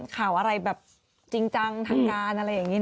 ข่าวอะไรแบบจริงจังทางการอะไรอย่างนี้